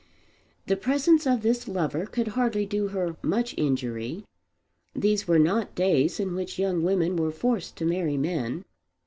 The presence of this lover could hardly do her much injury. These were not days in which young women were forced to marry men.